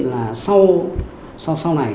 là sau sau này